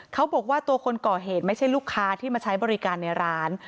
เขาบอกว่าตัวคนก่อเหตุไม่ใช่ลูกค้าที่มาใช้บริการในร้าน